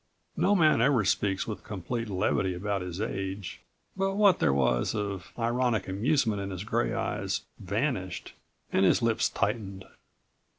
No man ever speaks with complete levity about his age, but what there was of ironic amusement in his gray eyes vanished and his lips tightened.